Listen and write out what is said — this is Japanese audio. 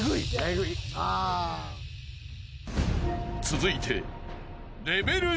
［続いて］